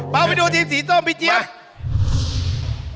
ไปดูทีมสีส้มพี่เจี๊ยบ